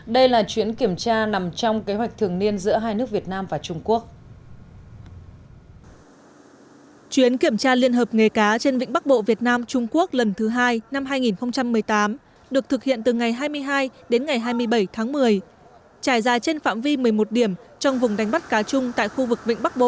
đây là chuyến kiểm tra nằm trong kế hoạch thường niên giữa hai nước việt nam và trung quốc